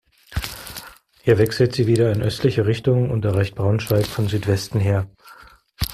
Hier wechselt sie wieder in östliche Richtung und erreicht Braunschweig von Südwesten her.